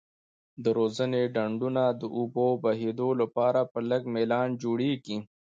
د روزنې ډنډونه د اوبو بهیدو لپاره په لږ میلان جوړیږي.